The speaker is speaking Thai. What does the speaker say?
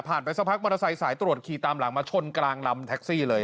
ไปสักพักมอเตอร์ไซค์สายตรวจขี่ตามหลังมาชนกลางลำแท็กซี่เลย